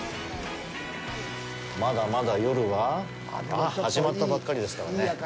まだまだ夜はああ、始まったばっかりですからね。